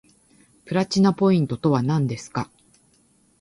プラチナポイントとはなんですか